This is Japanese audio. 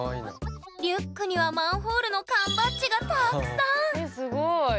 リュックにはマンホールの缶バッジがたくさんええすごい。